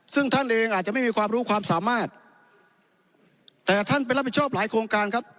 ซึ่งท่านเองอาจจะไม่มีความรู้ความสามารถแต่ท่านไปรับผิดชอบหลายโครงการครับ